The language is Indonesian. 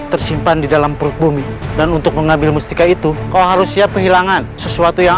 tersimpan di dalam perut bumi dan untuk mengambil mustika itu kau harus siap kehilangan sesuatu yang